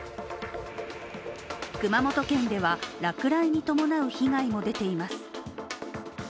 熊本県では、落雷に伴う被害も出ています。